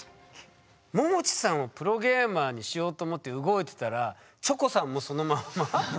ももちさんをプロゲーマーにしようと思って動いてたらチョコさんもそのまんま？